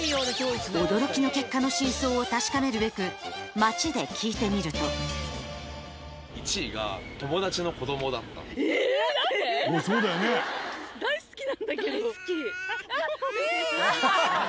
驚きの結果の真相を確かめるべく街で聞いてみると大好き。